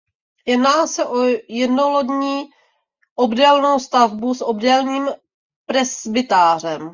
Jedná se o jednolodní obdélnou stavbu s obdélným presbytářem.